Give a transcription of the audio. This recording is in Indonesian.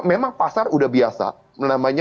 memang pasar udah biasa namanya